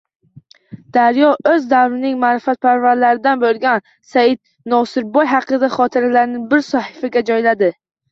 Daryo o‘z davrining ma’rifatparvarlaridan bo‘lgan Saidnosirboy haqidagi xotiralarni bir sahifaga joyladi